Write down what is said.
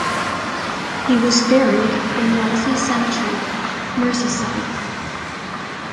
He is buried in Wallasey Cemetery, Merseyside.